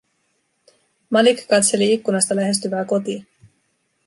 Malik katseli ikkunasta lähestyvää kotia.